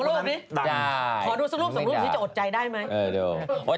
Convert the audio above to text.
ขอดูสักรูปนี้จะอดใจได้ไหมไม่ได้